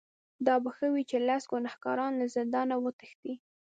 دا به ښه وي چې لس ګناهکاران له زندانه وتښتي.